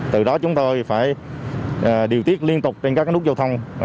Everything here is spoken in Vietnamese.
từ đó chúng tôi phải điều tiết liên tục trên các nút giao thông